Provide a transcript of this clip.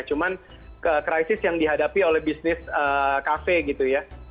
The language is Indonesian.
cuman krisis yang dihadapi oleh bisnis kafe gitu ya